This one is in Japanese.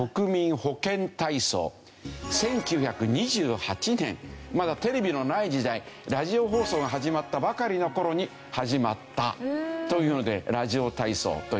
１９２８年まだテレビのない時代ラジオ放送が始まったばかりの頃に始まったというのでラジオ体操という。